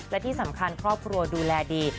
และที่สำคัญครอบครัวดูแลดี